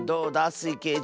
スイけいじ。